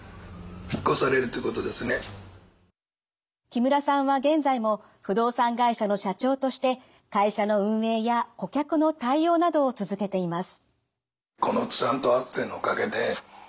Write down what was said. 木村さんは現在も不動産会社の社長として会社の運営や顧客の対応などを続けています。